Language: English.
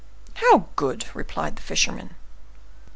"How good?" replied the fisherman.